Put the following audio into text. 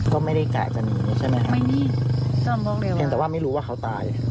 ก็ไม่ได้กะจะหนีใช่ไหมครับเพียงแต่ว่าไม่รู้ว่าเขาตาย